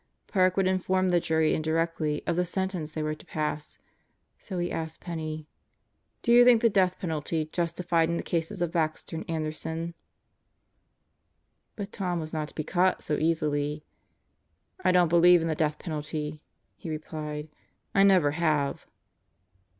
Park would inform the jury indirectly of the sentence they were to pass, so he asked Penney: "Do you think the death penalty justified in the cases of Baxter and Anderson?" But Tom was not to be caught so easily. "I don't believe in the death penalty," he replied. "I never have."